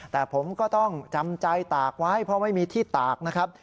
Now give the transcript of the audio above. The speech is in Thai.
แต่ผมก็ต้องจำใจตากไว้เพราะไม่มีที่ตากนะครับ